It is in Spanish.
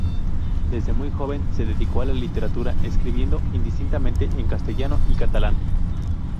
Desde muy joven se dedicó a la literatura escribiendo indistintamente en castellano y catalán.